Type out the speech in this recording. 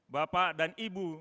bapak dan ibu